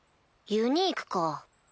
ユニークか。